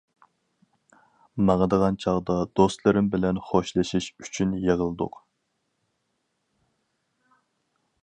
ماڭىدىغان چاغدا دوستلىرىم بىلەن خوشلىشىش ئۈچۈن يىغىلدۇق.